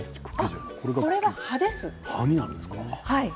これは葉です。